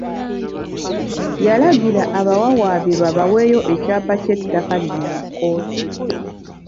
Yalagira abawawaabirwa baweeyo ekyapa ky'ettaka lino mu kkooti.